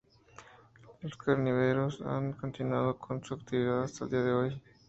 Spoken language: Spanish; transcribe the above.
Los carabineros han continuado con su actividad hasta el día de hoy.